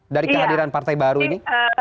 dari kehadiran partai baru ini